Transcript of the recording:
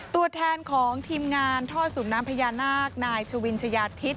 ตัวแทนของทีมงานท่อสูบน้ำพญานาคนายชวินชายาทิศ